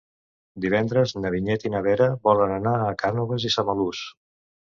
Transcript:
Divendres na Vinyet i na Vera volen anar a Cànoves i Samalús.